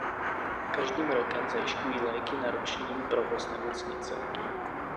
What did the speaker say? Každým rokem zajišťují léky na roční provoz nemocnice.